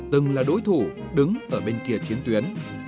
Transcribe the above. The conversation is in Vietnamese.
từng là đối thủ đứng ở bên kia chiến tuyến